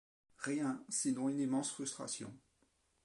Rien, sinon une immense frustration.